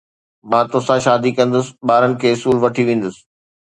مان توسان شادي ڪندس، ٻارن کي اسڪول وٺي ويندس